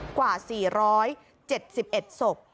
กว่า๔๗๑ศพ